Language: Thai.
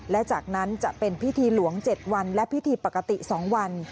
และจากนั้นจะเป็นพิธีหลวง๗วันและพิธีปกติ๒วัน